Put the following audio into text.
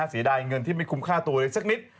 เสียดายเงินที่ไม่คุ้มค่าตัวเลยสักนิด